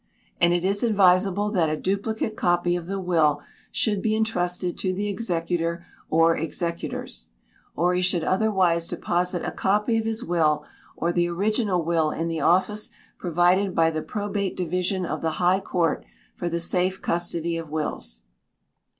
And it is advisable that a duplicate copy of the will should be entrusted to the executor or executors. Or he should otherwise deposit a copy of his will, or the original will, in the office provided by the Probate Division of the High Court for the safe custody of wills.